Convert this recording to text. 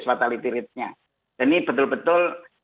fatality rate nya dan ini betul betul